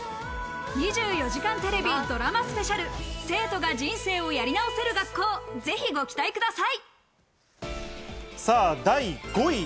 『２４時間テレビ』ドラマスペシャル、『生徒が人生をやり直せる学校』、ぜひご期待ください。